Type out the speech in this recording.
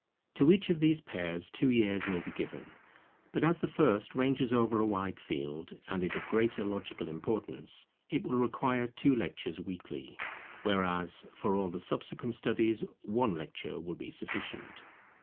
To each of these pairs, two years may be given. But as the first ranges over a wide field, and is of greater logical importance, it will require two lectures weekly; whereas, for all the subsequent studies one lecture will be sufficient.